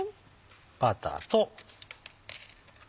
バターと。